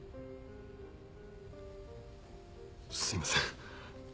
すいません。